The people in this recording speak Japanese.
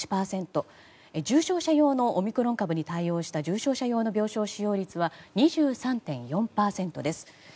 重症者用のオミクロン株に対応した重症者用の病床使用率は２３．４％です。